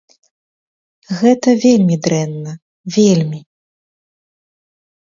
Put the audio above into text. Гэта вельмі дрэнна, вельмі.